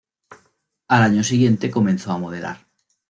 Al año siguiente comenzó a modelar.